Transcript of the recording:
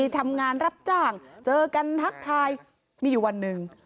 ทำงานรับจ้างเจอกันทักทายมีอยู่วันหนึ่ง